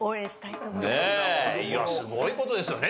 いやすごい事ですよね。